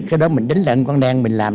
cái đó mình đánh lận con đang mình làm